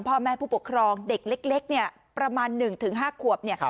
พ่อแม่ผู้ปกครองเด็กเล็กเนี่ยประมาณหนึ่งถึงห้าขวบเนี่ย